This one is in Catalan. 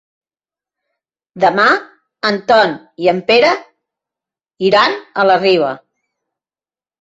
Demà en Ton i en Pere iran a la Riba.